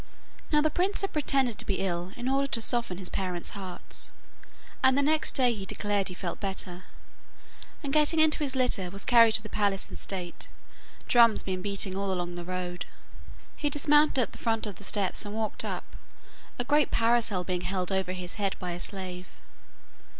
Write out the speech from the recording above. Now the prince had pretended to be ill in order to soften his parent's hearts, and the next day he declared he felt better, and, getting into his litter, was carried to the palace in state, drums being beaten all along the road. He dismounted at the foot of the steps and walked up, a great parasol being held over his head by a slave.